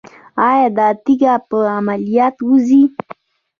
ایا دا تیږه په عملیات وځي؟